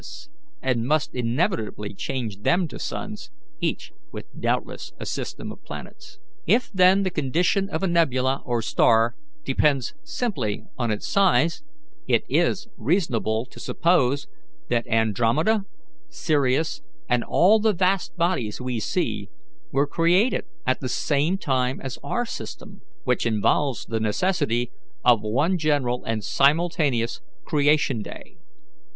Virginis, and must inevitably change them to suns, each with doubtless a system of planets. "If, then, the condition of a nebula or star depends simply on its size, it is reasonable to suppose that Andromeda, Sirius, and all the vast bodies we see, were created at the same time as our system, which involves the necessity of one general and simultaneous creation day.